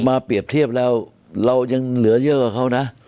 เปรียบเทียบแล้วเรายังเหลือเยอะกว่าเขานะ